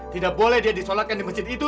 tidak boleh dia disolatkan di masjid itu